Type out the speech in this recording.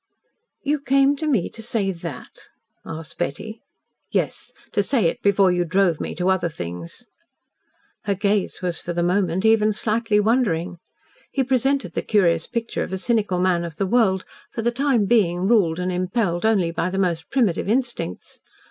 "You came to me to say THAT?" asked Betty. "Yes to say it before you drove me to other things." Her gaze was for a moment even slightly wondering. He presented the curious picture of a cynical man of the world, for the time being ruled and impelled only by the most primitive instincts.